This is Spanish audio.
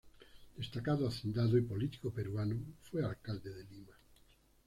Destacado hacendado y político peruano, fue Alcalde de Lima.